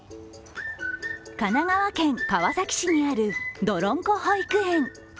神奈川県川崎市にあるどろんこ保育園。